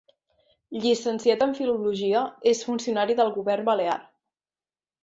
Llicenciat en Filologia, és funcionari del Govern Balear.